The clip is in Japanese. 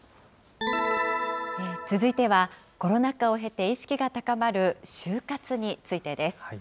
続いては、コロナ禍を経て意識が高まる終活についてです。